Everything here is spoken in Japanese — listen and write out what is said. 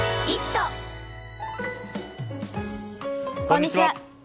こんにちは。